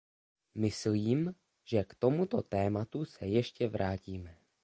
Myslím, že k tomuto tématu se ještě vrátíme.